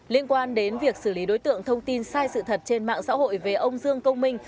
liên quan đến việc xử lý đối tượng thông tin sai sự thật trên mạng xã hội về ông dương công minh